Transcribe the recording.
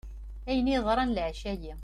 Ayen i d-yeḍran leɛca-ayi.